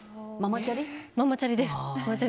ママチャリです。